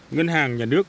ngân hàng nhà nước